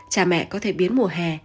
cha mẹ có thể biến mùa hè